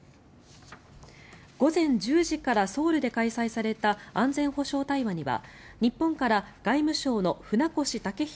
午前１０時からソウルで開催された安全保障対話には日本から外務省の船越健裕